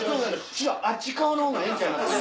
師匠あっち側の方がええんちゃいます？